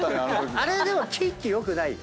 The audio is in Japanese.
あれでもキンキ良くないよ。